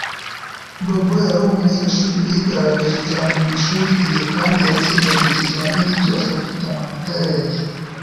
Bobo yari umunyeshuri wigaragaje cyane mwishuri rye kandi yatsindaga ikizamini cyose afite amanota yo hejuru